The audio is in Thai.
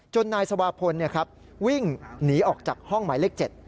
นายสวาพลวิ่งหนีออกจากห้องหมายเลข๗